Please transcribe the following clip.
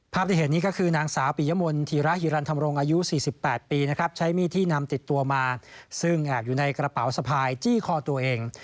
ที่เห็นนี้ก็คือนางสาวปิยมนธีระฮิรันธรรมรงค์อายุ๔๘ปีนะครับใช้มีดที่นำติดตัวมาซึ่งแอบอยู่ในกระเป๋าสะพายจี้คอตัวเอง